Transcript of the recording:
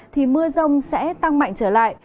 thì mưa rông sẽ tăng mạnh trở lại